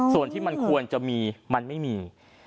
ส่วนที่มันควรจะมีมันไม่มี